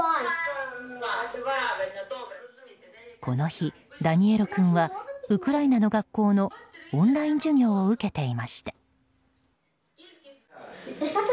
この日、ダニエロ君はウクライナの学校のオンライン授業を受けていました。